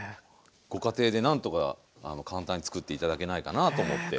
ご家庭でなんとか簡単に作って頂けないかなと思って。